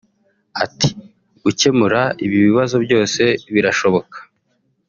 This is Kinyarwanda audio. Ati “Gukemura ibi bibazo byose birashoboka